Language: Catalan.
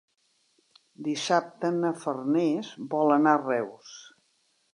Dissabte na Farners vol anar a Reus.